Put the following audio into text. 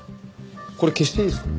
これ消していいですか？